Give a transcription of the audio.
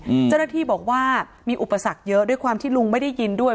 เจ้าหน้าที่บอกว่ามีอุปสรรคเยอะด้วยความที่ลุงไม่ได้ยินด้วย